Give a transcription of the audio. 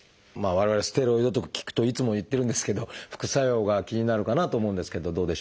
我々ステロイドとか聞くといつも言ってるんですけど副作用が気になるかなと思うんですけどどうでしょう？